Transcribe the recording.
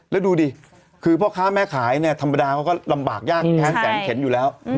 แล้วดูดิคือพ่อค้าแม่ขายเนี่ยธรรมดาเขาก็ลำบากยากแค้นแสนเข็นอยู่แล้ว